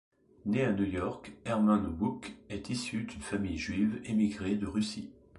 Né à New York, Herman Wouk est issu d'une famille juive émigrée de Russie.